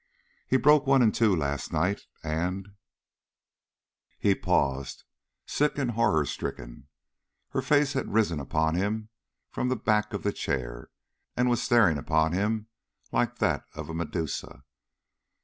He broke one in two last night, and " He paused, sick and horror stricken. Her face had risen upon him from the back of the chair, and was staring upon him like that of a Medusa.